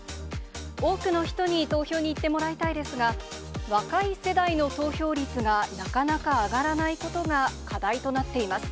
多くの人に投票に行ってもらいたいですが、若い世代の投票率がなかなか上がらないことが課題となっています。